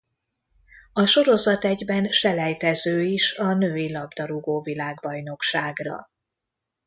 A sorozat egyben selejtező is a női labdarúgó-világbajnokságra.